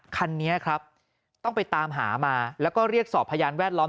คันนี้ครับต้องไปตามหามาแล้วก็เรียกสอบพยานแวดล้อม